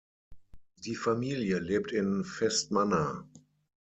Die Familie lebt in Vestmanna.